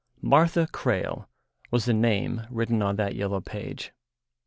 "Martha Crale" was the name written on that yellow page.